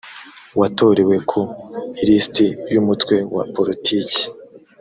watorewe ku ilisiti y umutwe wa politiki